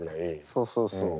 そうそうそう。